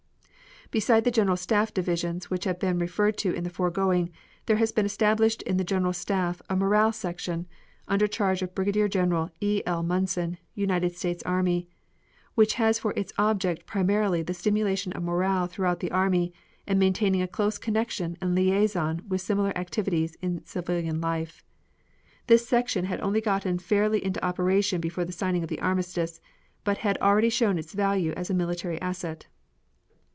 Beside the General Staff divisions which have been referred to in the foregoing, there has been established in the General Staff a Morale Section, under charge of Brigadier General E. L. Munson, United States army, which has for its object primarily the stimulation of morale throughout the army, and maintaining a close connection and liaison with similar activities in civil life. This section had only gotten fairly into operation before the signing of the armistice, but had already shown its value as a military asset.